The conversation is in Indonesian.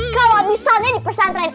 kalau misalnya dipesantren